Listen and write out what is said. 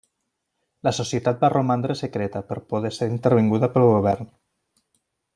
La societat va romandre secreta, per por de ser intervinguda pel govern.